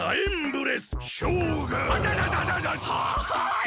はい！